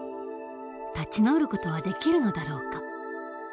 立ち直る事はできるのだろうか？